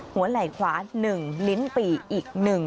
หัวไหล่ขวา๑ลิ้นปี่อีก๑